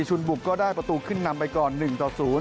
ชุนบุกก็ได้ประตูขึ้นนำไปก่อน๑ต่อ๐